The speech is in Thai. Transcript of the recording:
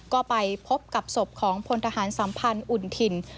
ก็ไปพบกับศพของพลทหารสัมพันธ์อุ่นถิ่น